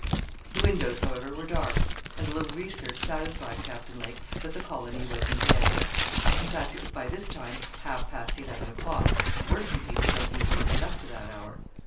The windows, however, were dark, and a little research satisfied Captain Lake that the colony was in bed. In fact, it was by this time half past eleven o'clock, and working people don't usually sit up to that hour.